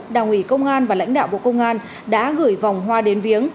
đảng ủy công an và lãnh đạo bộ công an đã gửi vòng hoa đến viếng